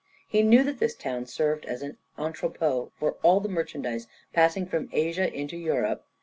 He knew that this town served as an entrepôt for all the merchandise passing from Asia into Europe.